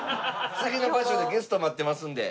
次の場所でゲスト待ってますんで。